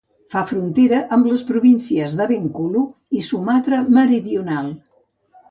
Fa frontera amb les províncies de Bengkulu i Sumatra Meridional.